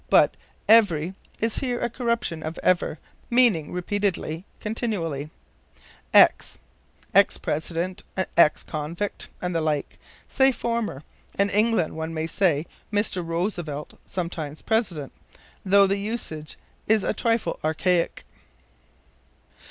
But "every" is here a corruption of ever, meaning repeatedly, continually. Ex. "Ex President," "an ex convict," and the like. Say, former. In England one may say, Mr. Roosevelt, sometime President; though the usage is a trifle archaic.